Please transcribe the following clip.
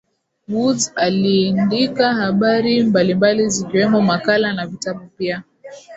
Woods alindika habari mbalimbali zikiwemo makala na vitabu pia